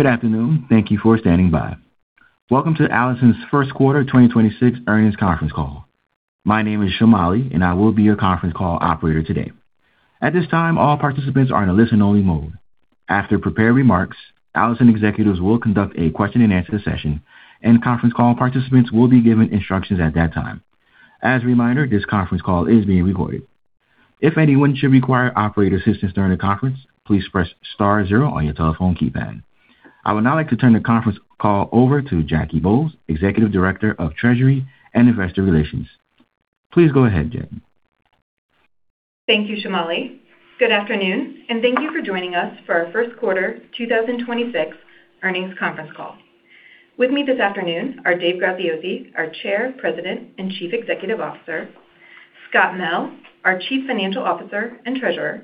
Good afternoon. Thank you for standing by. Welcome to Allison's Q1 2026 Earnings Conference Call. My name is Shamali, and I will be your conference call operator today. At this time, all participants are in a listen-only mode. After prepared remarks, Allison executives will conduct a question-and-answer session, and conference call participants will be given instructions at that time. As a reminder, this conference call is being recorded. If anyone should require operator assistance during the conference, please press star zero on your telephone keypad. I would now like to turn the conference call over to Jacalyn Bolles, Executive Director of Treasury and Investor Relations. Please go ahead, Jackie. Thank you, Shamali. Good afternoon, and thank you for joining us for our Q1 2026 earnings conference call. With me this afternoon are Dave Graziosi, our Chair, President, and Chief Executive Officer, Scott Mell, our Chief Financial Officer and Treasurer,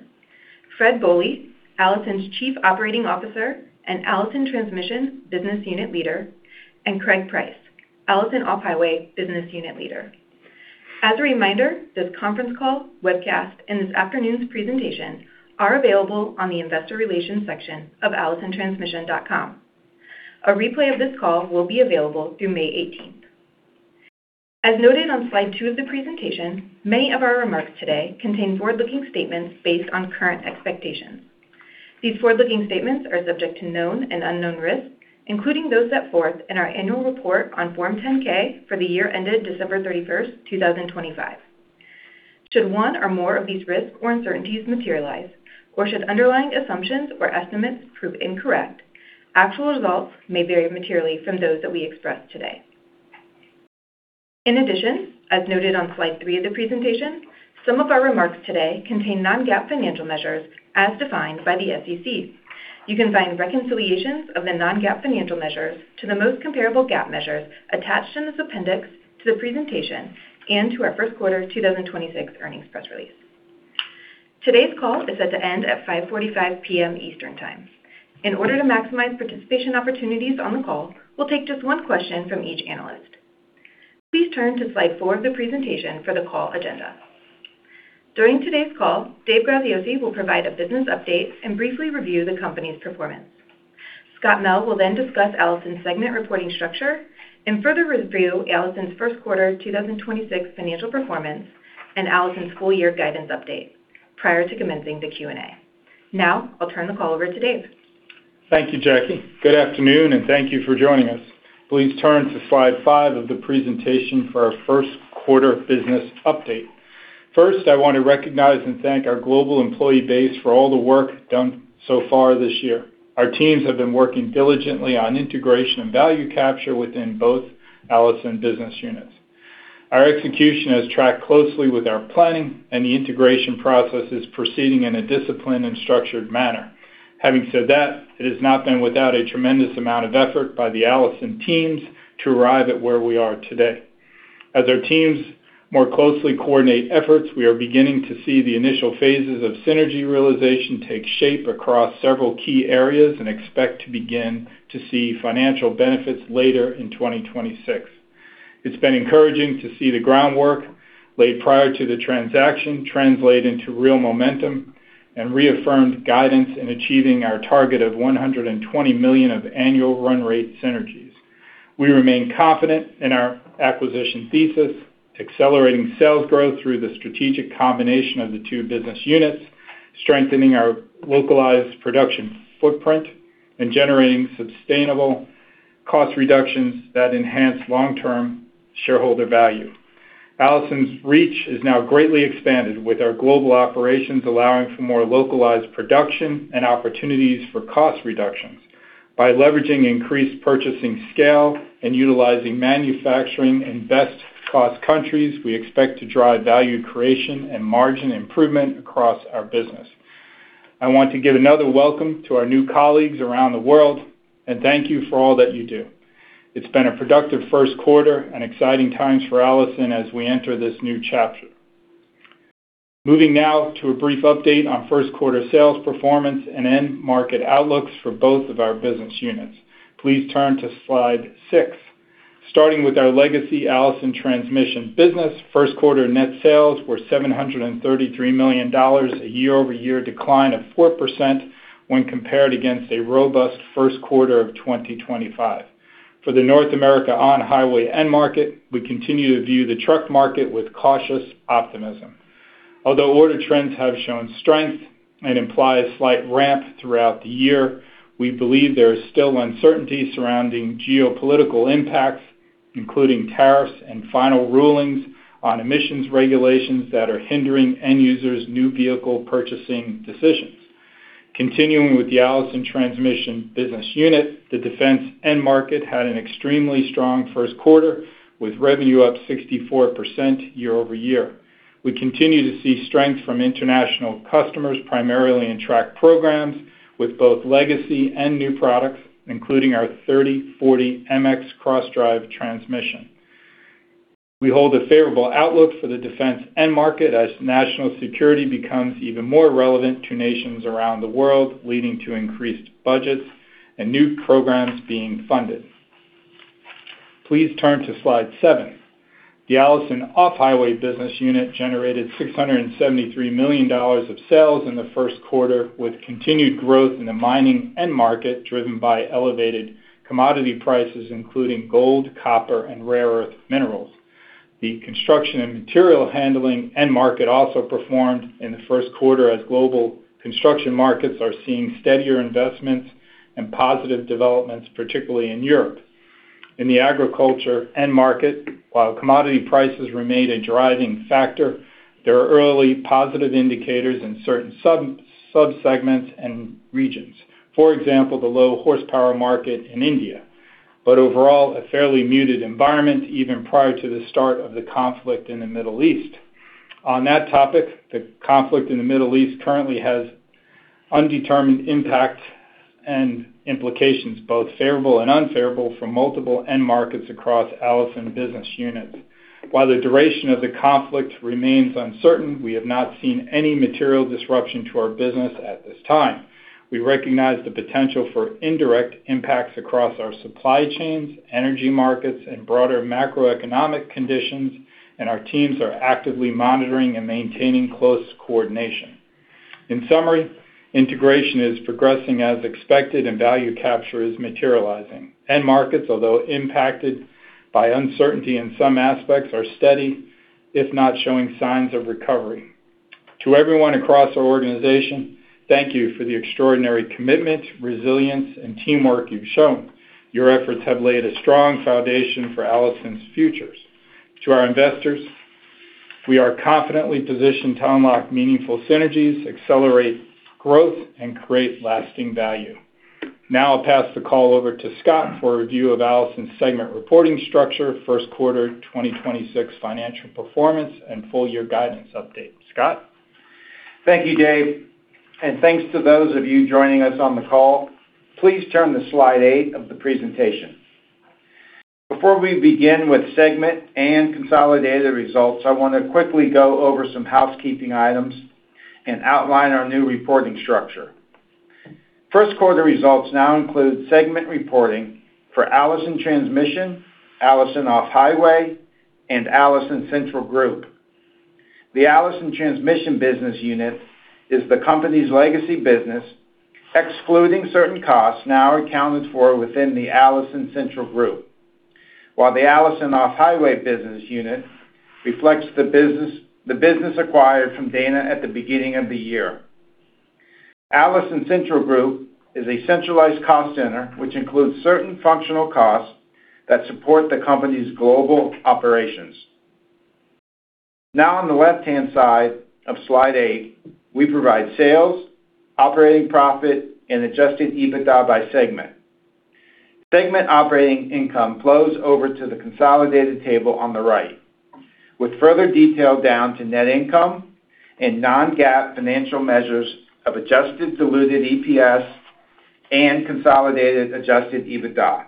Fred Bohley, Allison's Chief Operating Officer and Allison Transmission Business Unit Leader, and Craig Price, Allison Off-Highway Business Unit Leader. As a reminder, this conference call, webcast, and this afternoon's presentation are available on the investor relations section of allisontransmission.com. A replay of this call will be available through May 18th. As noted on slide 2 of the presentation, many of our remarks today contain forward-looking statements based on current expectations. These forward-looking statements are subject to known and unknown risks, including those set forth in our annual report on Form 10-K for the year ended December 31st, 2025. Should one or more of these risks or uncertainties materialize, or should underlying assumptions or estimates prove incorrect, actual results may vary materially from those that we express today. In addition, as noted on slide 3 of the presentation, some of our remarks today contain non-GAAP financial measures as defined by the SEC. You can find reconciliations of the non-GAAP financial measures to the most comparable GAAP measures attached in this appendix to the presentation and to our Q1 2026 earnings press release. Today's call is set to end at 5:45 P.M. Eastern Time. In order to maximize participation opportunities on the call, we'll take just one question from each analyst. Please turn to slide 4 of the presentation for the call agenda. During today's call, Dave Graziosi will provide a business update and briefly review the company's performance. Scott Mell will then discuss Allison's segment reporting structure and further review Allison's Q1 2026 financial performance and Allison's full year guidance update prior to commencing the Q&A. I'll turn the call over to Dave. Thank you, Jackie. Good afternoon, and thank you for joining us. Please turn to slide 5 of the presentation for our Q1 business update. First, I want to recognize and thank our global employee base for all the work done so far this year. Our teams have been working diligently on integration and value capture within both Allison business units. Our execution has tracked closely with our planning, and the integration process is proceeding in a disciplined and structured manner. Having said that, it has not been without a tremendous amount of effort by the Allison teams to arrive at where we are today. As our teams more closely coordinate efforts, we are beginning to see the initial phases of synergy realization take shape across several key areas and expect to begin to see financial benefits later in 2026. It's been encouraging to see the groundwork laid prior to the transaction translate into real momentum and reaffirmed guidance in achieving our target of $120 million of annual run rate synergies. We remain confident in our acquisition thesis, accelerating sales growth through the strategic combination of the two business units, strengthening our localized production footprint, and generating sustainable cost reductions that enhance long-term shareholder value. Allison's reach is now greatly expanded, with our global operations allowing for more localized production and opportunities for cost reductions. By leveraging increased purchasing scale and utilizing manufacturing in best cost countries, we expect to drive value creation and margin improvement across our business. I want to give another welcome to our new colleagues around the world, and thank you for all that you do. It's been a productive Q1 and exciting times for Allison as we enter this new chapter. Moving now to a brief update on Q1 sales performance and end market outlooks for both of our business units. Please turn to slide 6. Starting with our legacy Allison Transmission business, Q1 net sales were $733 million, a year-over-year decline of 4% when compared against a robust Q1 of 2025. For the North America on-highway end market, we continue to view the truck market with cautious optimism. Although order trends have shown strength and imply a slight ramp throughout the year, we believe there is still uncertainty surrounding geopolitical impacts, including tariffs and final rulings on emissions regulations that are hindering end users' new vehicle purchasing decisions. Continuing with the Allison Transmission business unit, the defense end market had an extremely strong Q1, with revenue up 64% year-over-year. We continue to see strength from international customers, primarily in track programs with both legacy and new products, including our 3040 MX cross-drive transmission. We hold a favorable outlook for the defense end market as national security becomes even more relevant to nations around the world, leading to increased budgets and new programs being funded. Please turn to slide 7. The Allison Off-Highway business unit generated $673 million of sales in the Q1, with continued growth in the mining end market, driven by elevated commodity prices, including gold, copper, and rare earth minerals. The construction and material handling end market also performed in the Q1 as global construction markets are seeing steadier investments and positive developments, particularly in Europe. In the agriculture end market, while commodity prices remained a driving factor, there are early positive indicators in certain sub-segments and regions. For example, the low horsepower market in India, but overall, a fairly muted environment even prior to the start of the conflict in the Middle East. On that topic, the conflict in the Middle East currently has undetermined impact and implications, both favorable and unfavorable, for multiple end markets across Allison business units. While the duration of the conflict remains uncertain, we have not seen any material disruption to our business at this time. We recognize the potential for indirect impacts across our supply chains, energy markets, and broader macroeconomic conditions, and our teams are actively monitoring and maintaining close coordination. In summary, integration is progressing as expected and value capture is materializing. End markets, although impacted by uncertainty in some aspects, are steady, if not showing signs of recovery. To everyone across our organization, thank you for the extraordinary commitment, resilience, and teamwork you've shown. Your efforts have laid a strong foundation for Allison's futures. To our investors, we are confidently positioned to unlock meaningful synergies, accelerate growth, and create lasting value. I'll pass the call over to Scott for a review of Allison's segment reporting structure, Q1 2026 financial performance, and full year guidance update. Scott? Thank you, Dave, and thanks to those of you joining us on the call. Please turn to slide 8 of the presentation. Before we begin with segment and consolidated results, I want to quickly go over some housekeeping items and outline our new reporting structure. Q1 results now include segment reporting for Allison Transmission, Allison Off-Highway, and Allison Central Group. The Allison Transmission business unit is the company's legacy business, excluding certain costs now accounted for within the Allison Central Group, while the Allison Off-Highway business unit reflects the business acquired from Dana at the beginning of the year. Allison Central Group is a centralized cost center, which includes certain functional costs that support the company's global operations. On the left-hand side of slide 8, we provide sales, operating profit, and Adjusted EBITDA by segment. Segment operating income flows over to the consolidated table on the right, with further detail down to net income and non-GAAP financial measures of Adjusted Diluted EPS and consolidated Adjusted EBITDA.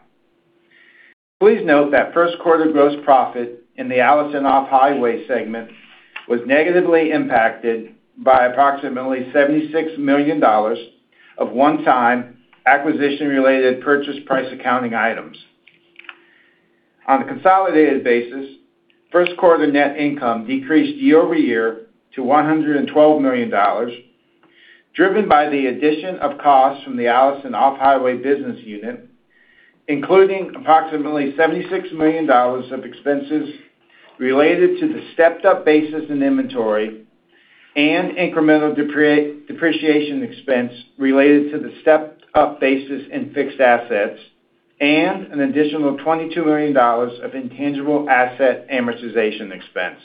Please note that Q1 gross profit in the Allison Off-Highway segment was negatively impacted by approximately $76 million of one-time acquisition-related Purchase Price Accounting items. On a consolidated basis, Q1 net income decreased year-over-year to $112 million, driven by the addition of costs from the Allison Off-Highway business unit, including approximately $76 million of expenses related to the stepped-up basis in inventory and incremental depreciation expense related to the stepped-up basis in fixed assets, and an additional $22 million of intangible asset amortization expense.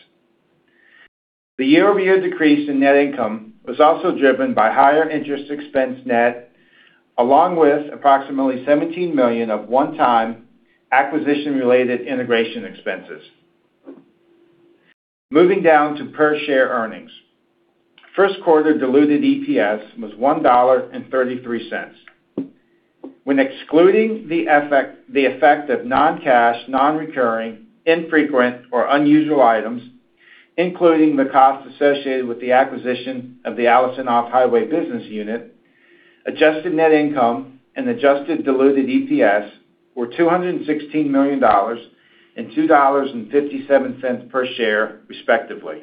The year-over-year decrease in net income was also driven by higher interest expense net, along with approximately $17 million of one-time acquisition-related integration expenses. Moving down to per share earnings. Q1 diluted EPS was $1.33. When excluding the effect of non-cash, non-recurring, infrequent, or unusual items, including the cost associated with the acquisition of the Allison Off-Highway Business Unit, Adjusted Net Income and Adjusted Diluted EPS were $216 million and $2.57 per share, respectively.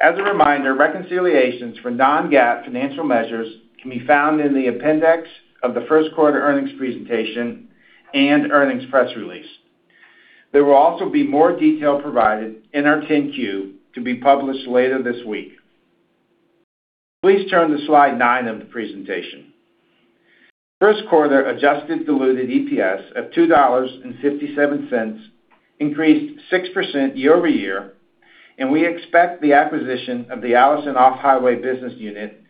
As a reminder, reconciliations for non-GAAP financial measures can be found in the appendix of the Q1 earnings presentation and earnings press release. There will also be more detail provided in our 10-Q to be published later this week. Please turn to slide 9 of the presentation. Q1 Adjusted Diluted EPS of $2.57 increased 6% year-over-year, and we expect the acquisition of the Allison Off-Highway business unit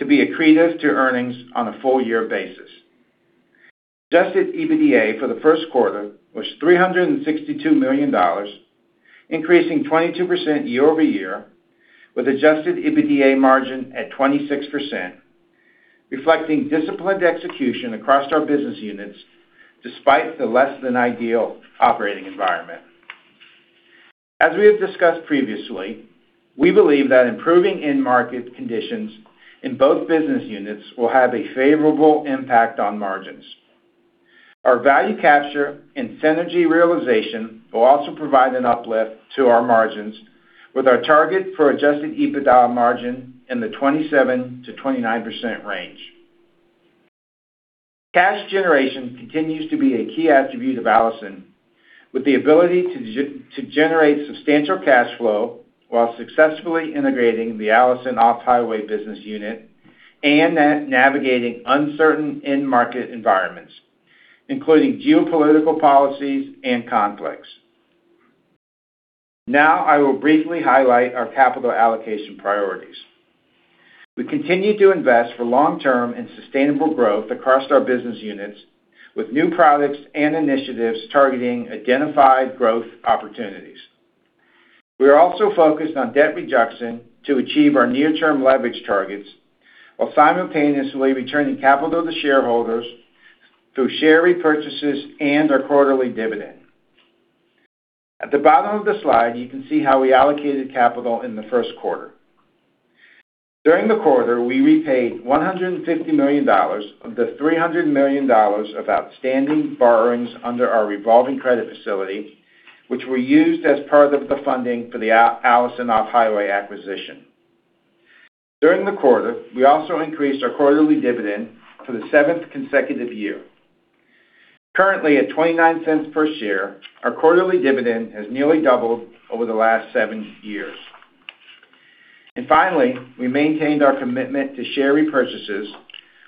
to be accretive to earnings on a full year basis. Adjusted EBITDA for the Q1 was $362 million, increasing 22% year-over-year, with Adjusted EBITDA margin at 26%, reflecting disciplined execution across our business units despite the less than ideal operating environment. As we have discussed previously, we believe that improving end market conditions in both business units will have a favorable impact on margins. Our value capture and synergy realization will also provide an uplift to our margins with our target for Adjusted EBITDA margin in the 27%-29% range. Cash generation continues to be a key attribute of Allison, with the ability to generate substantial cash flow while successfully integrating the Allison Off-Highway business unit and navigating uncertain end market environments, including geopolitical policies and conflicts. Now, I will briefly highlight our capital allocation priorities. We continue to invest for long-term and sustainable growth across our business units with new products and initiatives targeting identified growth opportunities. We are also focused on debt reduction to achieve our near-term leverage targets while simultaneously returning capital to shareholders through share repurchases and our quarterly dividend. At the bottom of the slide, you can see how we allocated capital in the Q1. During the quarter, we repaid $150 million of the $300 million of outstanding borrowings under our revolving credit facility, which were used as part of the funding for the Allison Off-Highway acquisition. During the quarter, we also increased our quarterly dividend for the seventh consecutive year. Currently, at $0.29 per share, our quarterly dividend has nearly doubled over the last seven years. Finally, we maintained our commitment to share repurchases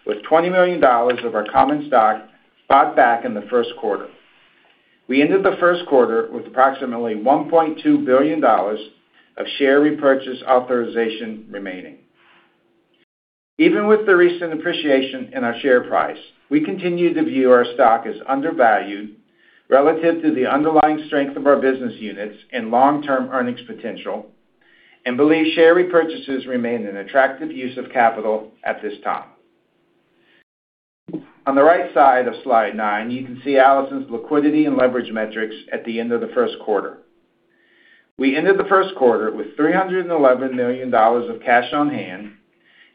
with $20 million of our common stock bought back in the Q1. We ended the Q1 with approximately $1.2 billion of share repurchase authorization remaining. Even with the recent appreciation in our share price, we continue to view our stock as undervalued relative to the underlying strength of our business units and long-term earnings potential and believe share repurchases remain an attractive use of capital at this time. On the right side of slide 9, you can see Allison's liquidity and leverage metrics at the end of the Q1. We ended the Q1 with $311 million of cash on hand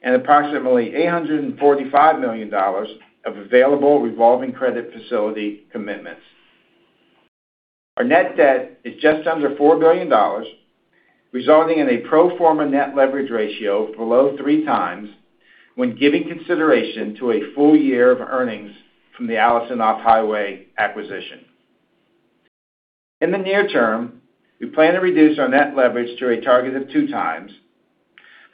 and approximately $845 million of available revolving credit facility commitments. Our net debt is just under $4 billion, resulting in a pro forma Net Leverage Ratio below three times when giving consideration to a full year of earnings from the Allison Off-Highway acquisition. In the near term, we plan to reduce our net leverage to a target of two times.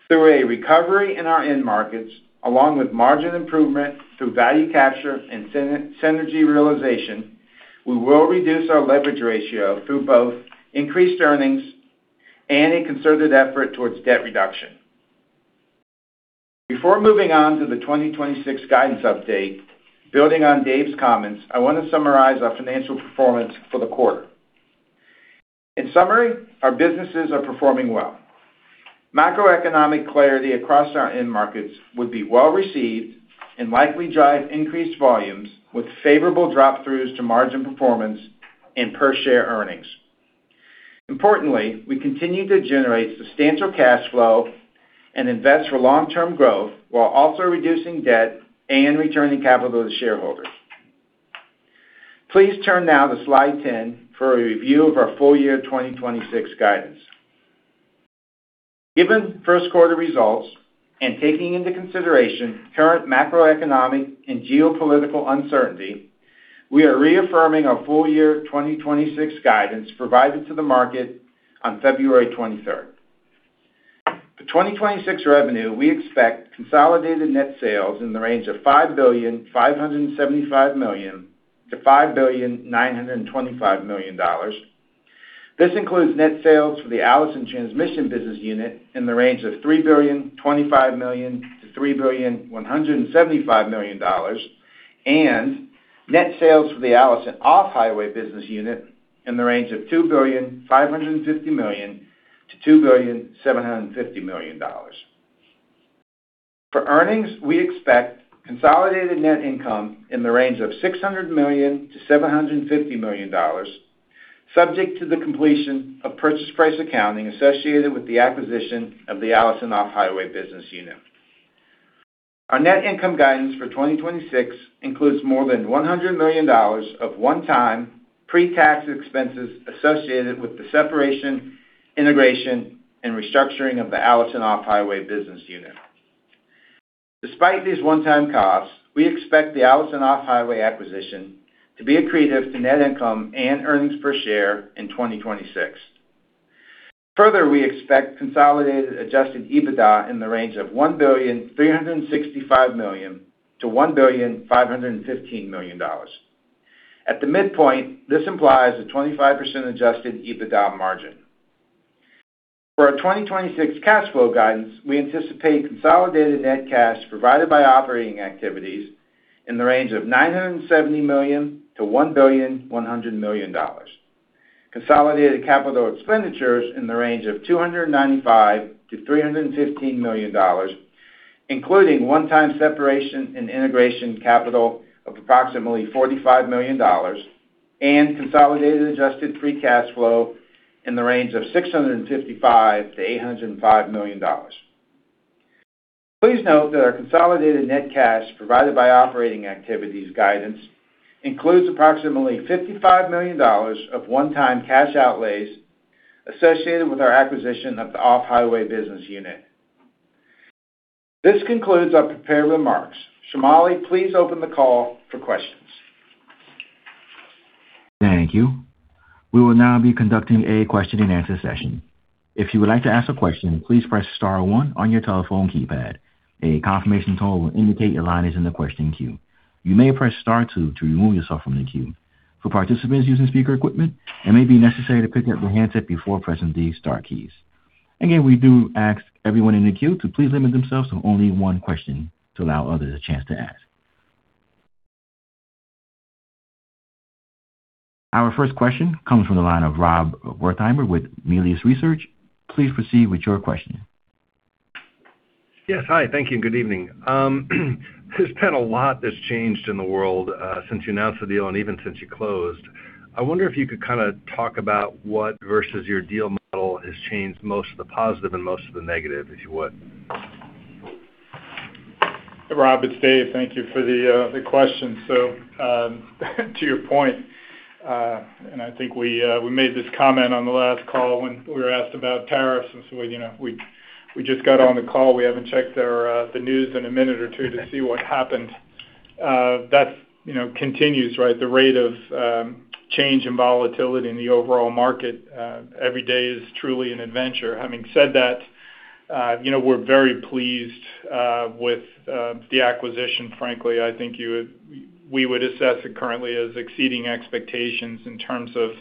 Through a recovery in our end markets, along with margin improvement through value capture and synergy realization, we will reduce our leverage ratio through both increased earnings and a concerted effort towards debt reduction. Before moving on to the 2026 guidance update, building on Dave's comments, I want to summarize our financial performance for the quarter. In summary, our businesses are performing well. Macroeconomic clarity across our end markets would be well-received and likely drive increased volumes with favorable drop-throughs to margin performance and per-share earnings. Importantly, we continue to generate substantial cash flow and invest for long-term growth while also reducing debt and returning capital to shareholders. Please turn now to slide 10 for a review of our full year 2026 guidance. Given Q1 results and taking into consideration current macroeconomic and geopolitical uncertainty, we are reaffirming our full year 2026 guidance provided to the market on February 23rd. For 2026 revenue, we expect consolidated net sales in the range of $5.575 billion-$5.925 billion. This includes net sales for the Allison Transmission business unit in the range of $3.025 billion-$3.175 billion and net sales for the Allison Off-Highway business unit in the range of $2.55 billion-$2.75 billion. For earnings, we expect consolidated net income in the range of $600 million-$750 million, subject to the completion of Purchase Price Accounting associated with the acquisition of the Allison Off-Highway business unit. Our net income guidance for 2026 includes more than $100 million of one-time pre-tax expenses associated with the separation, integration, and restructuring of the Allison Off-Highway business unit. Despite these one-time costs, we expect the Allison Off-Highway acquisition to be accretive to net income and earnings per share in 2026. Further, we expect consolidated Adjusted EBITDA in the range of $1.365 billion-$1.515 billion. At the midpoint, this implies a 25% Adjusted EBITDA margin. For our 2026 cash flow guidance, we anticipate consolidated net cash provided by operating activities in the range of $970 million-$1.1 billion, consolidated capital expenditures in the range of $295 million-$315 million. Including one-time separation and integration capital of approximately $45 million and consolidated Adjusted Free Cash Flow in the range of $655 million-$805 million. Please note that our consolidated net cash provided by operating activities guidance includes approximately $55 million of one-time cash outlays associated with our acquisition of the Off-Highway Business Unit. This concludes our prepared remarks. Shamali, please open the call for questions. Thank you. We will now be conducting a question-and-answer session. If you would like to ask a question, please press star one on your telephone keypad. A confirmation tone will indicate your line is in the question queue. You may press star two to remove yourself from the queue. For participants using speaker equipment, it may be necessary to pick up your handset before pressing the star keys. Again, we do ask everyone in the queue to please limit themselves to only one question to allow others a chance to ask. Our first question comes from the line of Rob Wertheimer with Melius Research. Please proceed with your question. Yes. Hi. Thank you. Good evening. There's been a lot that's changed in the world since you announced the deal and even since you closed. I wonder if you could kinda talk about what versus your deal model has changed most of the positive and most of the negative, if you would. Rob Wertheimer, it's Dave. Thank you for the question. To your point, and I think we made this comment on the last call when we were asked about tariffs, and so, you know, we just got on the call. We haven't checked our, the news in a minute or two to see what happened. That, you know, continues, right? The rate of change and volatility in the overall market, every day is truly an adventure. Having said that, you know, we're very pleased with the acquisition, frankly. I think we would assess it currently as exceeding expectations in terms of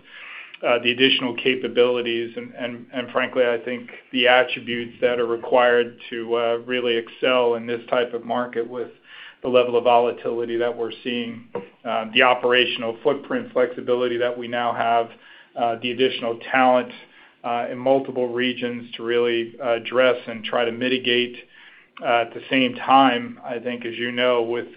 the additional capabilities and frankly, I think the attributes that are required to really excel in this type of market with the level of volatility that we're seeing, the operational footprint flexibility that we now have, the additional talent in multiple regions to really address and try to mitigate. At the same time, I think, as you know, with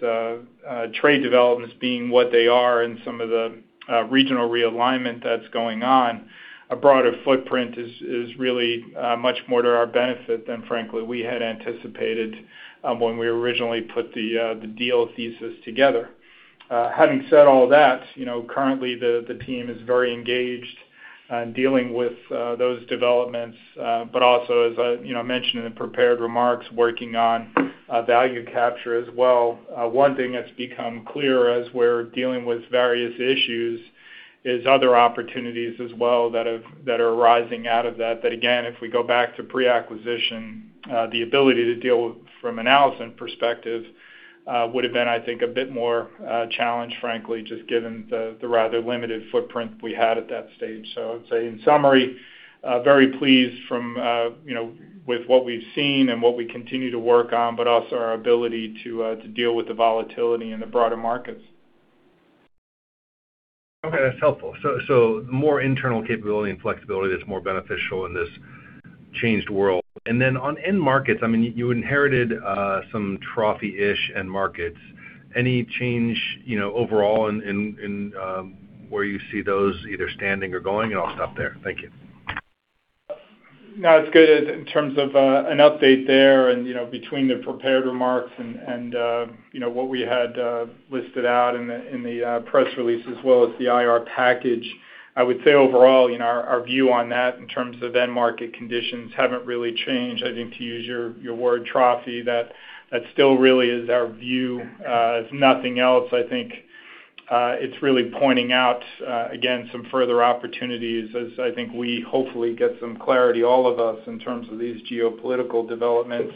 trade developments being what they are and some of the regional realignment that's going on, a broader footprint is really much more to our benefit than frankly we had anticipated when we originally put the deal thesis together. Having said all that, you know, currently the team is very engaged in dealing with those developments, but also as I, you know, mentioned in the prepared remarks, working on value capture as well. One thing that's become clear as we're dealing with various issues is other opportunities as well that are arising out of that again, if we go back to pre-acquisition, the ability to deal from an Allison perspective would have been, I think, a bit more challenged, frankly, just given the rather limited footprint we had at that stage. I'd say in summary, very pleased from, you know, with what we've seen and what we continue to work on, but also our ability to deal with the volatility in the broader markets. Okay, that's helpful. More internal capability and flexibility that's more beneficial in this changed world. On end markets, I mean, you inherited some trophy-ish end markets. Any change, you know, overall in where you see those either standing or going? I'll stop there. Thank you. No, it's good. In terms of an update there and, you know, between the prepared remarks and, you know, what we had listed out in the, in the press release as well as the IR package, I would say overall, you know, our view on that in terms of end market conditions haven't really changed. I think to use your word thesis, that still really is our view. If nothing else, I think it's really pointing out again, some further opportunities as I think we hopefully get some clarity, all of us, in terms of these geopolitical developments,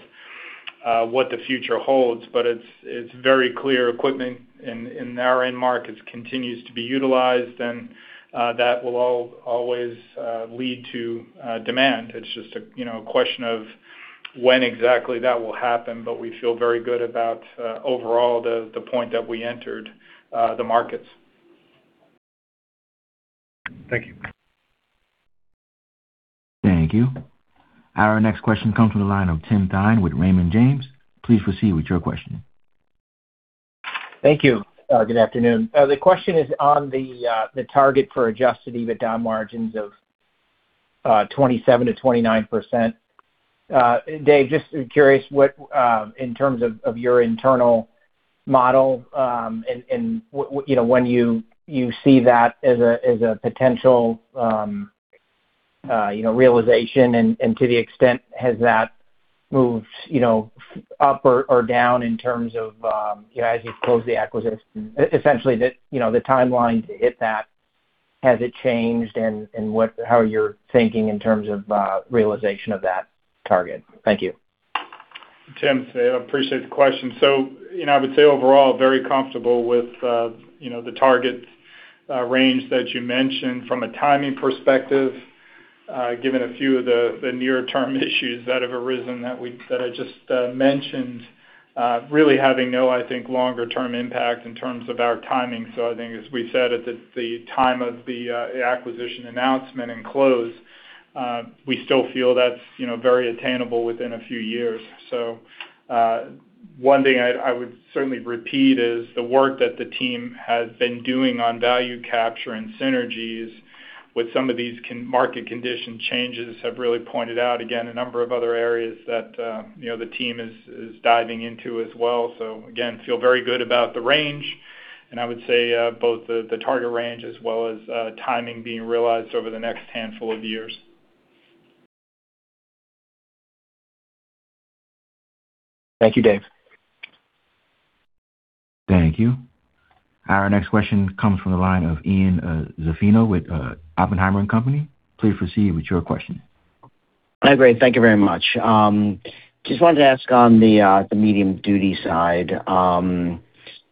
what the future holds. It's very clear equipment in our end markets continues to be utilized and that will always lead to demand. It's just a, you know, a question of when exactly that will happen. We feel very good about overall the point that we entered the markets. Thank you. Thank you. Our next question comes from the line of Tim Thein with Raymond James. Please proceed with your question. Thank you. Good afternoon. The question is on the target for Adjusted EBITDA margins of 27%-29%. Dave, just curious what in terms of your internal model, and what, you know, when you see that as a potential, you know, realization and to the extent has that moved, you know, up or down in terms of, you know, as you close the acquisition. Essentially, the, you know, the timeline to hit that, has it changed and how you're thinking in terms of realization of that target? Thank you. Tim, it's Dave. Appreciate the question. You know, I would say overall, very comfortable with, you know, the target range that you mentioned. From a timing perspective, given a few of the near-term issues that have arisen that I just mentioned, really having no, I think, longer term impact in terms of our timing. I think as we said at the time of the acquisition announcement and close, we still feel that's, you know, very attainable within a few years. One thing I would certainly repeat is the work that the team has been doing on value capture and synergies with some of these market condition changes have really pointed out, again, a number of other areas that, you know, the team is diving into as well. Again, feel very good about the range, and I would say, both the target range as well as, timing being realized over the next handful of years. Thank you, Dave. Thank you. Our next question comes from the line of Ian Zaffino with Oppenheimer & Co. Please proceed with your question. Hi, great. Thank you very much. Just wanted to ask on the medium-duty side,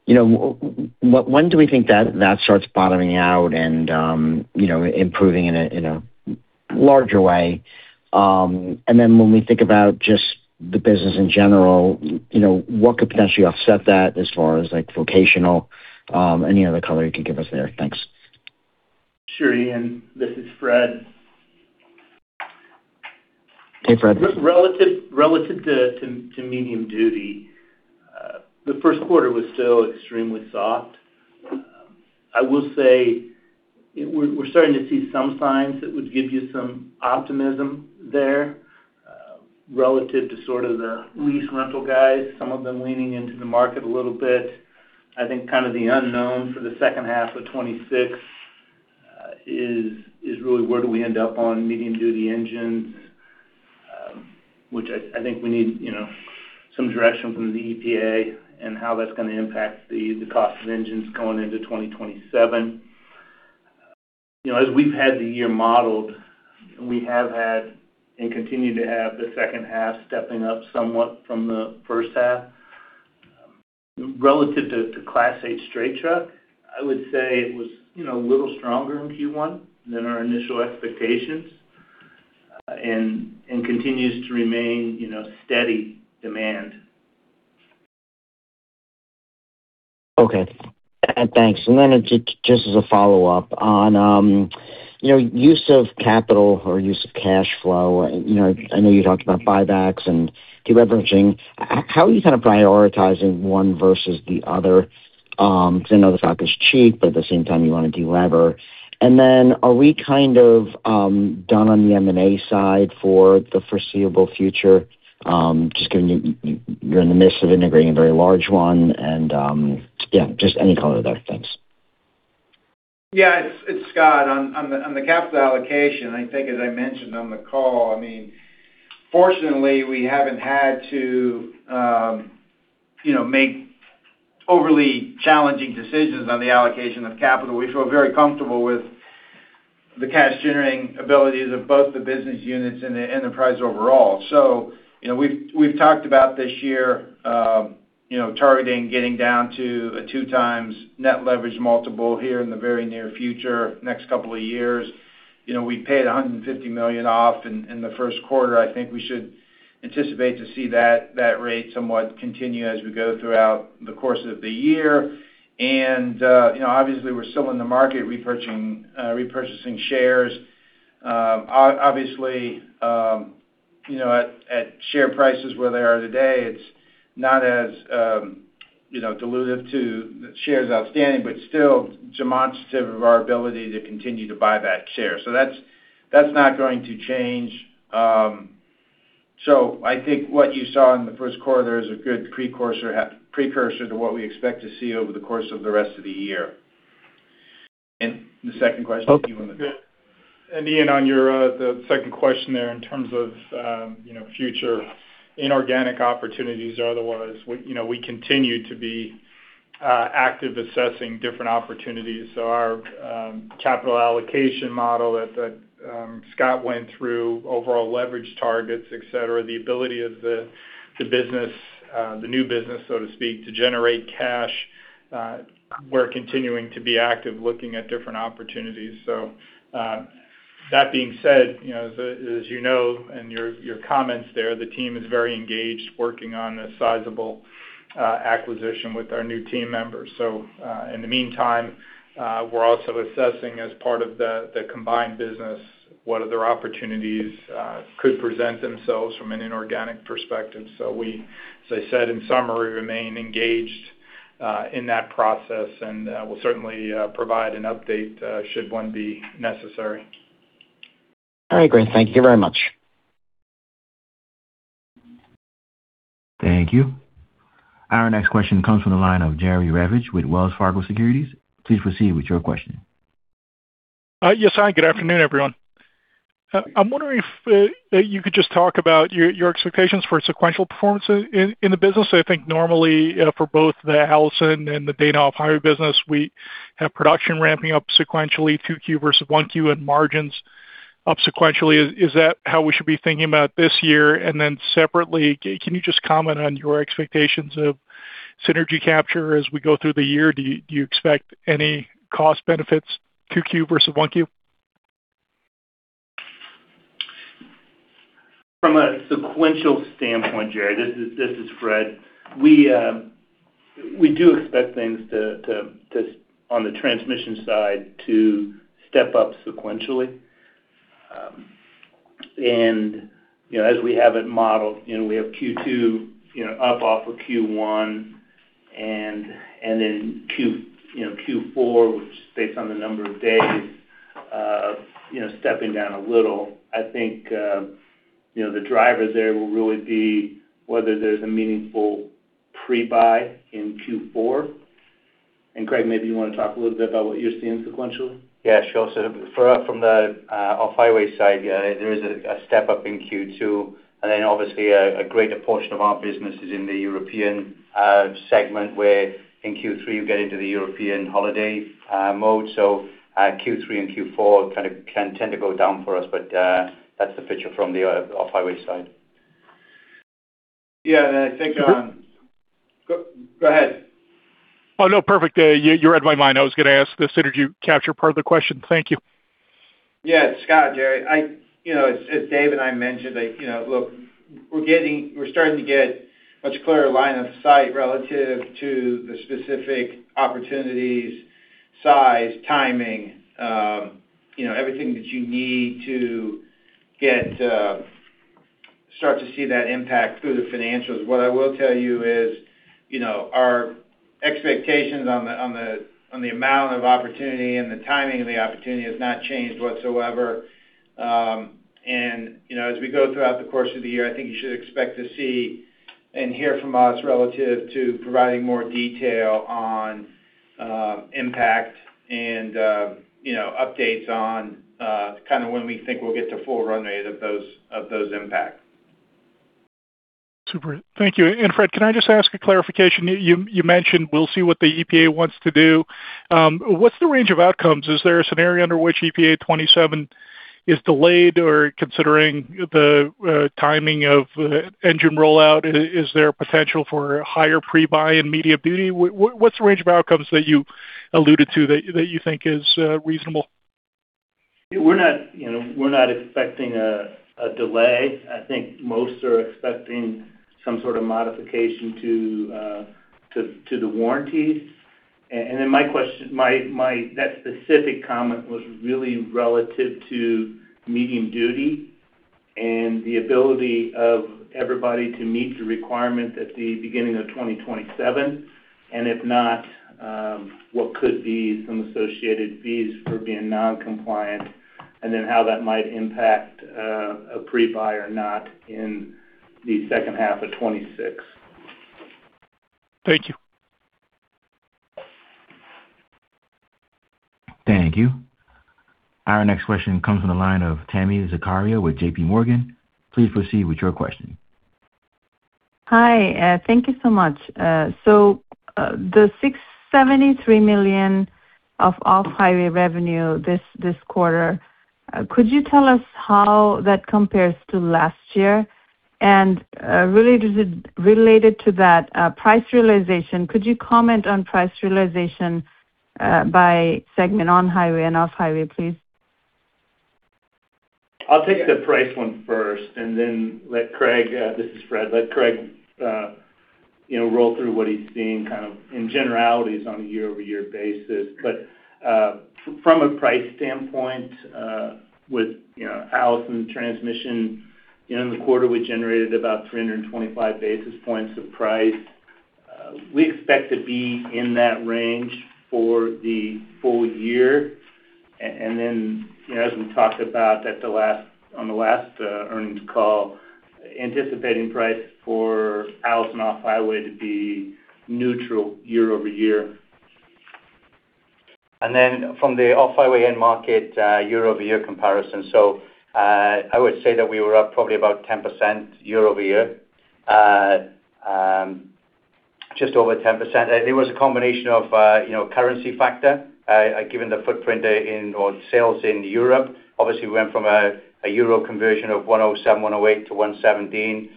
you know, when do we think that that starts bottoming out and, you know, improving in a, in a larger way? And then when we think about just the business in general, you know, what could potentially offset that as far as, like, vocational, any other color you can give us there? Thanks. Sure, Ian. This is Fred. Hey, Fred. Relative to medium duty, the Q1 was still extremely soft. I will say we're starting to see some signs that would give you some optimism there, relative to sort of the lease rental guys, some of them leaning into the market a little bit. I think kind of the unknown for the second half of 2026 is really where do we end up on medium duty engines, which I think we need, you know, some direction from the EPA in how that's gonna impact the cost of engines going into 2027. You know, as we've had the year modeled, we have had, and continue to have, the second half stepping up somewhat from the first half. Relative to Class 8 straight truck, I would say it was, you know, a little stronger in Q1 than our initial expectations, and continues to remain, you know, steady demand. Okay. Thanks. Just, just as a follow-up on, you know, use of capital or use of cash flow. You know, I know you talked about buybacks and deleveraging. How are you kind of prioritizing one versus the other? Because I know the stock is cheap, at the same time, you wanna delever. Are we kind of done on the M&A side for the foreseeable future, just given you're in the midst of integrating a very large one and, yeah, just any color there. Thanks. Yeah. It's Scott. On the capital allocation, I think, as I mentioned on the call, I mean, fortunately, we haven't had to, you know, make overly challenging decisions on the allocation of capital. We feel very comfortable with the cash generating abilities of both the business units and the enterprise overall. You know, we've talked about this year, you know, targeting getting down to a two times net leverage multiple here in the very near future, next couple of years. You know, we paid $150 million off in the Q1. I think we should anticipate to see that rate somewhat continue as we go throughout the course of the year. You know, obviously, we're still in the market repurchasing shares. Obviously, at share prices where they are today, it's not as dilutive to the shares outstanding, but still demonstrative of our ability to continue to buy back shares. That's not going to change. I think what you saw in the Q1 is a good precursor to what we expect to see over the course of the rest of the year. The second question? Ian, on your, the second question there in terms of future inorganic opportunities or otherwise, we continue to be active assessing different opportunities. Our capital allocation model that Scott went through, overall leverage targets, et cetera, the ability of the business, the new business, so to speak, to generate cash, we're continuing to be active looking at different opportunities. That being said, you know, as you know, in your comments there, the team is very engaged working on a sizable acquisition with our new team members. In the meantime, we're also assessing as part of the combined business, what other opportunities could present themselves from an inorganic perspective. We, as I said, in summary, remain engaged in that process, and we'll certainly provide an update should one be necessary. All right, great. Thank you very much. Thank you. Our next question comes from the line of Jerry Revich with Wells Fargo Securities. Please proceed with your question. Yes, hi. Good afternoon, everyone. I'm wondering if you could just talk about your expectations for sequential performance in the business. I think normally, for both the Allison and the Dana Off-Highway business, we have production ramping up sequentially, 2Q versus 1Q, and margins up sequentially. Is that how we should be thinking about this year? Separately, can you just comment on your expectations of synergy capture as we go through the year? Do you expect any cost benefits 2Q versus 1Q? From a sequential standpoint, Jerry, this is Fred. We do expect things to, on the transmission side, to step up sequentially. You know, as we have it modeled, you know, we have Q2, you know, up off of Q1 and then Q4, which is based on the number of days, you know, stepping down a little. I think, you know, the driver there will really be whether there's a meaningful pre-buy in Q4. Craig, maybe you wanna talk a little bit about what you're seeing sequentially. Yeah, sure. For, from the Off-Highway side, there is a step-up in Q2. Then obviously a greater portion of our business is in the European segment, where in Q3 you get into the European holiday mode. Q3 and Q4 kind of can tend to go down for us, but that's the picture from the Off-Highway side. Yeah, I think. Go ahead. Oh, no. Perfect. You read my mind. I was gonna ask the synergy capture part of the question. Thank you. Yeah. It's Scott, Jerry. You know, as Dave and I mentioned, like, you know, look, we're starting to get much clearer line of sight relative to the specific opportunities, size, timing, you know, everything that you need to get start to see that impact through the financials. What I will tell you is, you know, our expectations on the amount of opportunity and the timing of the opportunity has not changed whatsoever. You know, as we go throughout the course of the year, I think you should expect to see and hear from us relative to providing more detail on impact and, you know, updates on kind of when we think we'll get to full run rate of those impacts. Super. Thank you. Fred, can I just ask a clarification? You mentioned we'll see what the EPA wants to do. What's the range of outcomes? Is there a scenario under which EPA 2027 is delayed or considering the timing of engine rollout, is there potential for higher pre-buy in medium-duty? What's the range of outcomes that you alluded to that you think is reasonable? We're not, you know, we're not expecting a delay. I think most are expecting some sort of modification to the warranties. And then that specific comment was really relative to medium-duty and the ability of everybody to meet the requirement at the beginning of 2027. And if not, what could be some associated fees for being non-compliant, and then how that might impact a pre-buy or not in the second half of 2026. Thank you. Thank you. Our next question comes from the line of Tami Zakaria with JPMorgan. Please proceed with your question. Hi, thank you so much. So, the $673 million of off-highway revenue this quarter, could you tell us how that compares to last year? Really related to that, price realization, could you comment on price realization by segment, on-highway and off-highway, please? I'll take the price one first and then let Craig, this is Fred, let Craig, you know, roll through what he's seeing kind of in generalities on a year-over-year basis. From a price standpoint, with, you know, Allison Transmission, you know, in the quarter, we generated about 325 basis points of price. We expect to be in that range for the full year. You know, as we talked about at the last, on the last, earnings call, anticipating price for Allison Off-Highway to be neutral year-over-year. From the off-highway end market, year-over-year comparison. I would say that we were up probably about 10% year-over-year. Just over 10%. It was a combination of, you know, currency factor, given the footprint in, or sales in Europe. Obviously, we went from a EUR conversion of 1.07, 1.08 to 1.17.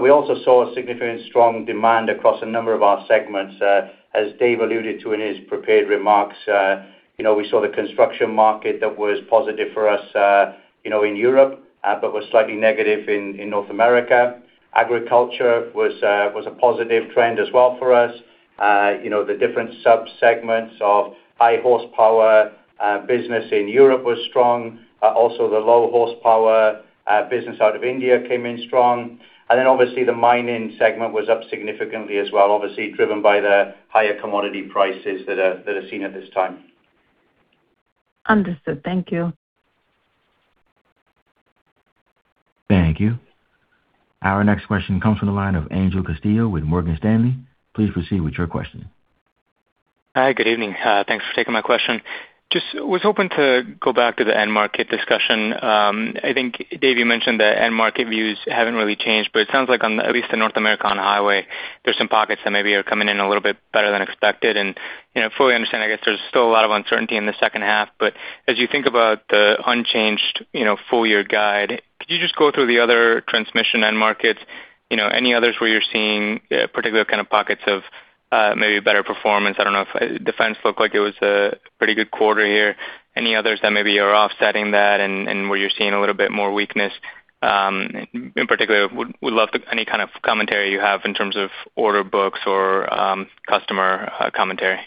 We also saw a significant strong demand across a number of our segments. As Dave alluded to in his prepared remarks, you know, we saw the construction market that was positive for us, you know, in Europe, but was slightly negative in North America. Agriculture was a positive trend as well for us. You know, the different sub-segments of high horsepower business in Europe was strong. Also the low horsepower business out of India came in strong. Obviously the mining segment was up significantly as well, obviously driven by the higher commodity prices that are, that are seen at this time. Understood. Thank you. Thank you. Our next question comes from the line of Angel Castillo with Morgan Stanley. Please proceed with your question. Hi, good evening. Thanks for taking my question. Just was hoping to go back to the end market discussion. I think Dave, you mentioned the end market views haven't really changed, but it sounds like on at least the North America on-highway, there's some pockets that maybe are coming in a little bit better than expected. You know, fully understand, I guess there's still a lot of uncertainty in the second half, but as you think about the unchanged, you know, full year guide, could you just go through the other transmission end markets? You know, any others where you're seeing particular kind of pockets of maybe a better performance. I don't know if defense looked like it was a pretty good quarter here. Any others that maybe are offsetting that and where you're seeing a little bit more weakness, in particular, would love to any kind of commentary you have in terms of order books or customer commentary.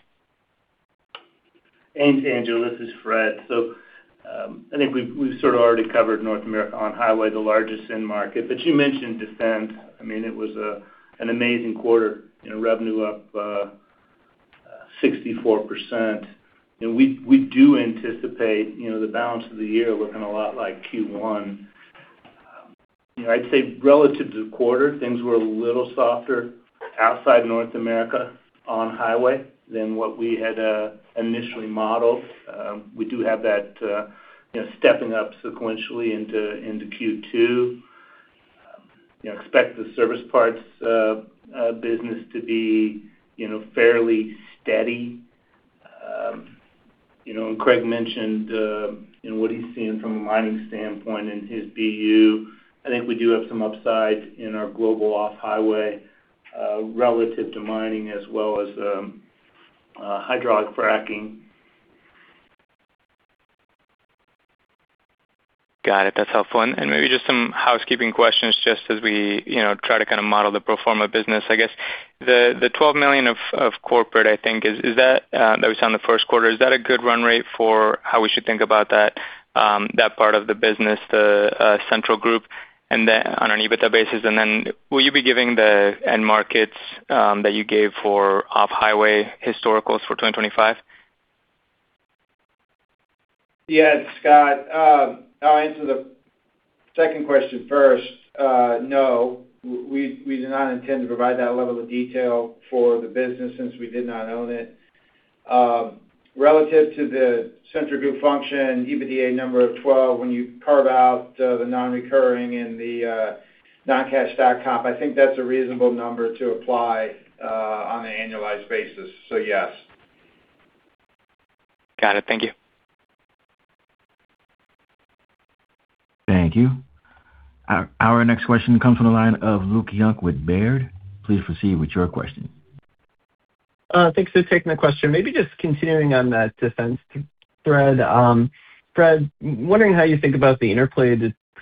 Angel, this is Fred. I think we've sort of already covered North America on highway, the largest end market. You mentioned Defense. I mean, it was an amazing quarter, you know, revenue up 64%. We do anticipate, you know, the balance of the year looking a lot like Q1. You know, I'd say relative to the quarter, things were a little softer outside North America on highway than what we had initially modeled. We do have that, you know, stepping up sequentially into Q2. You know, expect the service parts business to be, you know, fairly steady. You know, Craig mentioned, you know, what he's seeing from a mining standpoint in his BU. I think we do have some upside in our global off-highway, relative to mining as well as hydraulic fracturing. Got it. That's helpful. Maybe just some housekeeping questions just as we, you know, try to kinda model the pro forma business. I guess the $12 million of corporate, I think, is that that was on the Q1, is that a good run rate for how we should think about that part of the business, the Allison Central Group and then on an EBITDA basis? Then will you be giving the end markets that you gave for off-highway historicals for 2025? Yeah, it's Scott. I'll answer the second question first. No, we do not intend to provide that level of detail for the business since we did not own it. Relative to the Central Group function, EBITDA number of $12 million, when you carve out the non-recurring and the non-cash stock comp, I think that's a reasonable number to apply on an annualized basis. Yes. Got it. Thank you. Thank you. Our next question comes from the line of Luke Junk with Baird. Please proceed with your question. Thanks for taking the question. Maybe just continuing on that Defense thread. Fred, wondering how you think about the interplay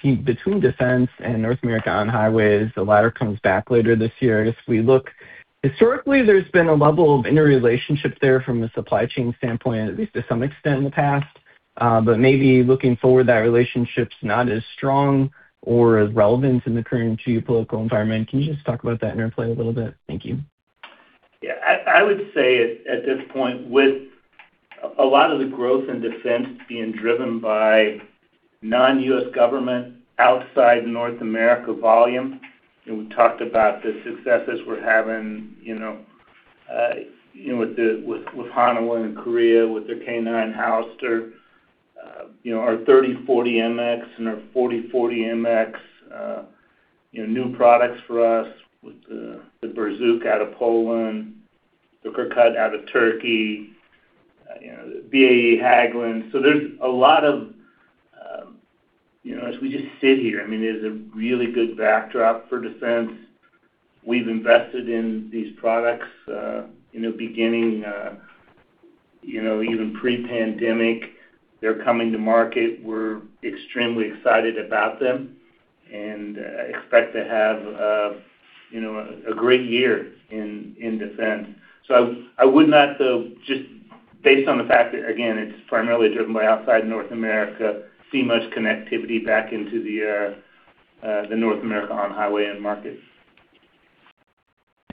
between Defense and North America on highways? The latter comes back later this year. I guess if we look historically, there's been a level of interrelationship there from a supply chain standpoint, at least to some extent in the past. Maybe looking forward, that relationship's not as strong or as relevant in the current geopolitical environment. Can you just talk about that interplay a little bit? Thank you. Yeah. I would say at this point, with a lot of the growth in Defense being driven by non-U.S. government outside North America volume, and we talked about the successes we're having, you know, with Hanwha in Korea, with their K9 Thunder. You know, our 3040 MX and our 4040 MX, you know, new products for us with the Borsuk out of Poland, the Kirpi out of Turkey, you know, the BAE Hägglunds. There's a lot of, you know, as we just sit here, I mean, there's a really good backdrop for Defense. We've invested in these products, in the beginning, you know, even pre-pandemic. They're coming to market. We're extremely excited about them and expect to have, you know, a great year in Defense. I would not though, just based on the fact that again, it's primarily driven by outside North America, see much connectivity back into the North America on-highway end markets.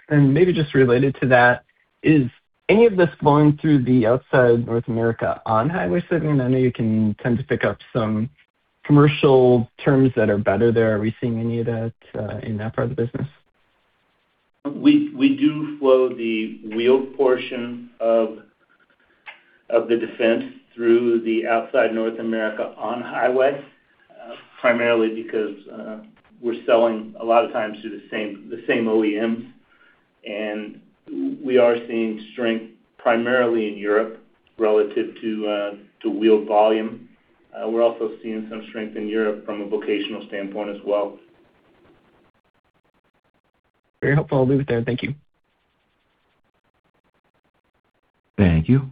Maybe just related to that, is any of this flowing through the outside North America on-highway segment? I know you can tend to pick up some commercial terms that are better there. Are we seeing any of that in that part of the business? We do flow the wheel portion of the defense through the outside North America on highway, primarily because we're selling a lot of times through the same OEMs. We are seeing strength primarily in Europe relative to wheel volume. We're also seeing some strength in Europe from a vocational standpoint as well. Very helpful. I'll leave it there. Thank you. Thank you.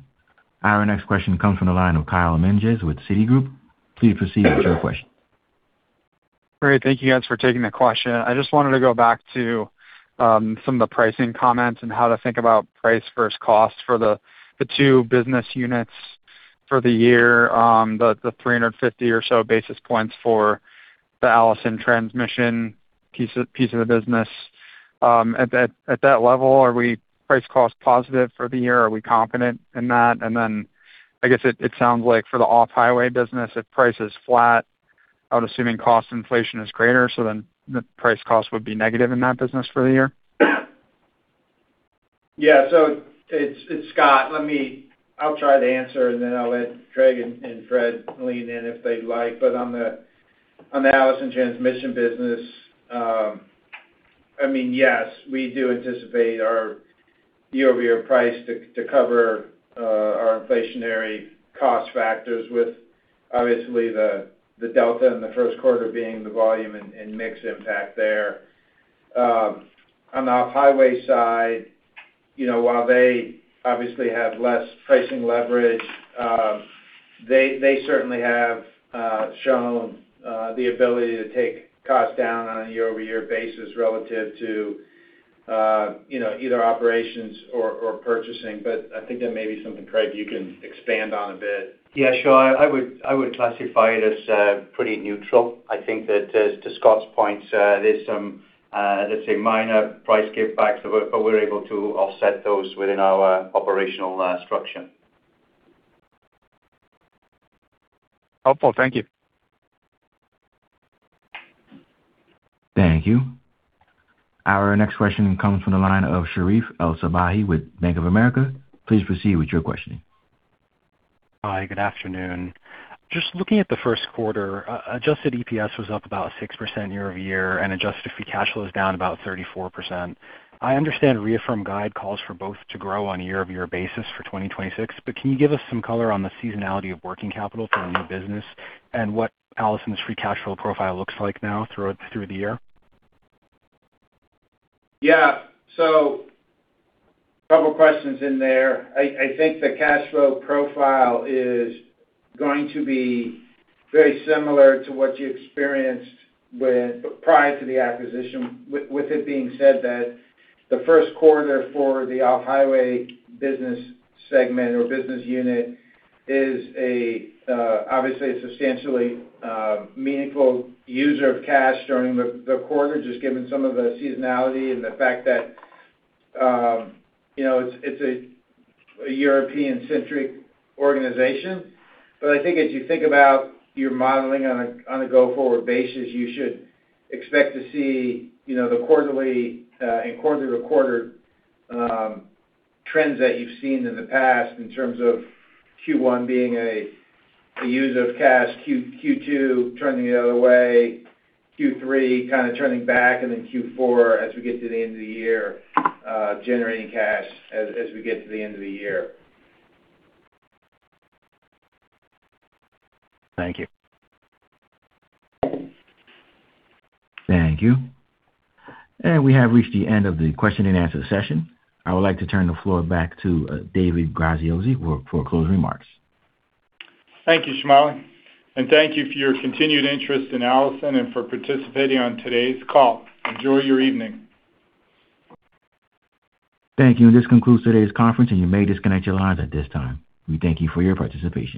Our next question comes from the line of Kyle Menges with Citigroup. Please proceed with your question. Great. Thank you guys for taking the question. I just wanted to go back to some of the pricing comments and how to think about price versus cost for the two business units for the year. The 350 or so basis points for the Allison Transmission piece of the business. At that level, are we price cost positive for the year? Are we confident in that? I guess it sounds like for the Off-Highway business, if price is flat, I would assume in cost inflation is greater, the price cost would be negative in that business for the year. It's Scott. I'll try to answer, and then I'll let Craig and Fred lean in if they'd like. On the Allison Transmission business, I mean, yes, we do anticipate our year-over-year price to cover our inflationary cost factors with obviously, the delta in the Q1 being the volume and mix impact there. On the Off-Highway side, you know, while they obviously have less pricing leverage, they certainly have shown the ability to take costs down on a year-over-year basis relative to, you know, either operations or purchasing. I think that may be something, Craig, you can expand on a bit. Yeah, sure. I would classify it as pretty neutral. I think that to Scott's point, there's some let's say minor price give back, but we're able to offset those within our operational structure. Helpful. Thank you. Thank you. Our next question comes from the line of Sherif El-Sabbahy with Bank of America. Please proceed with your questioning. Hi, good afternoon. Just looking at the Q1, Adjusted EPS was up about 6% year-over-year, and Adjusted Free Cash Flow is down about 34%. I understand reaffirmed guide calls for both to grow on a year-over-year basis for 2026, but can you give us some color on the seasonality of working capital for a new business and what Allison's free cash flow profile looks like now through the year? Yeah. Couple of questions in there. I think the cash flow profile is going to be very similar to what you experienced prior to the acquisition. With it being said that the Q1 for the Off-Highway business segment or business unit is a obviously a substantially meaningful user of cash during the quarter, just given some of the seasonality and the fact that, you know, it's a European-centric organization. I think as you think about your modeling on a go-forward basis, you should expect to see, you know, the quarterly and quarter-to-quarter trends that you've seen in the past in terms of Q1 being a use of cash, Q2 turning the other way, Q3 kinda turning back, and then Q4 as we get to the end of the year, generating cash as we get to the end of the year. Thank you. Thank you. We have reached the end of the question-and-answer session. I would like to turn the floor back to David Graziosi for closing remarks. Thank you, Shamali. Thank you for your continued interest in Allison and for participating on today's call. Enjoy your evening. Thank you. This concludes today's conference, and you may disconnect your lines at this time. We thank you for your participation.